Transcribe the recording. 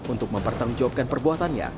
untuk mempertanggungjawabkan perbuatannya